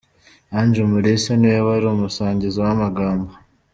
Ange Umulisa niwe wari umusangiza w'amagambo.